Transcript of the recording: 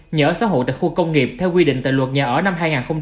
nhà ở xã hội tại khu công nghiệp theo quy định tại luật nhà ở năm hai nghìn một mươi bốn